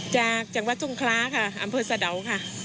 จากจังหวัดทุ่งคล้าค่ะอำเภอสะดาวค่ะ